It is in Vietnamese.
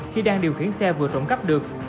khi đang điều khiển xe vừa trộn cắp được